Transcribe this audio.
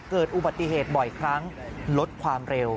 เกิดอุบัติเหตุบ่อยครั้งลดความเร็ว